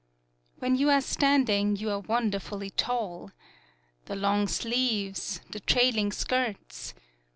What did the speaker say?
When you are standing you are won derfully tall. The long sleeves! The trailing skirts!